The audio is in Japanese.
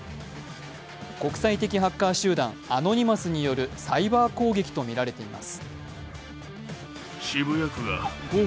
国際的ハッカー集団アノニマスによるサイバー攻撃とみられています。